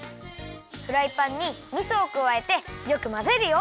フライパンにみそをくわえてよくまぜるよ。